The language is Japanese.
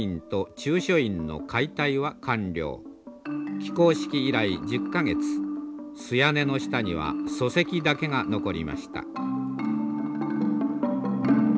起工式以来１０か月素屋根の下には礎石だけが残りました。